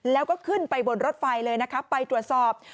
แล้วก็ขึ้นไปบนรถไฟเลยนะคะไปตรวจสอบ